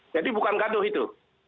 jadi bukan gaduh itu